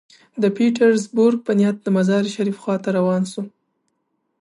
د پیټرزبورګ په نیت د مزار شریف خوا ته روان شو.